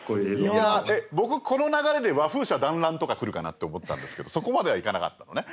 いやあ、僕この流れで和風車「だんらん」とかくるかなって思ったんですけどそこまではいかなかったのね。